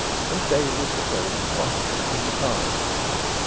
And Dailys were sold in quantities from the cars.